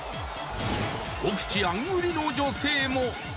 お口あんぐりの女性も。